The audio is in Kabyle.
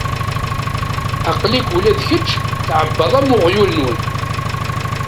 Aql-ak ula d kečč tɛebbaḍ am uɣyul-nwen.